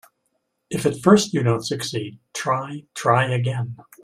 If at first you don't succeed, try, try again.